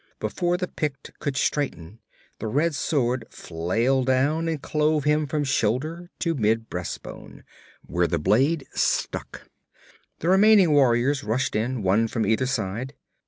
Before the Pict could straighten, the red sword flailed down and clove him from shoulder to mid breastbone, where the blade stuck. The remaining warriors rushed in, one from either side.